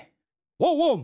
ワンワン！